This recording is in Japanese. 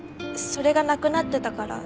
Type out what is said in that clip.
それがなくなってたから。